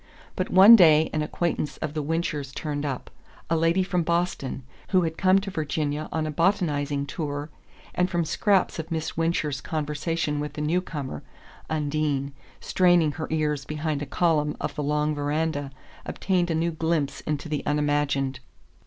But one day an acquaintance of the Winchers' turned up a lady from Boston, who had come to Virginia on a botanizing tour; and from scraps of Miss Wincher's conversation with the newcomer, Undine, straining her ears behind a column of the long veranda, obtained a new glimpse into the unimagined.